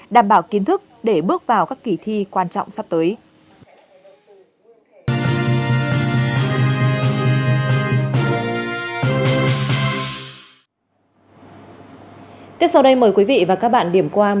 đảm bảo kiến thức để bước vào các kỳ thi quan trọng sắp tới